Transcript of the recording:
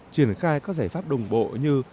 triển khai các giải pháp đồng bộ như